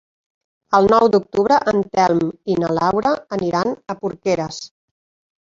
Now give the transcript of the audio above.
El nou d'octubre en Telm i na Laura aniran a Porqueres.